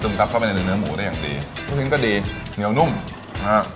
ซับเข้าไปในเนื้อหมูได้อย่างดีลูกชิ้นก็ดีเหนียวนุ่มนะฮะ